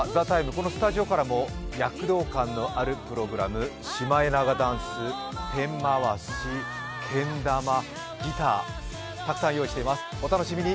このスタジオからも躍動感のあるプログラム、シマエナガダンス、ペン回しけん玉、ギターたくさん用意しています、お楽しみに。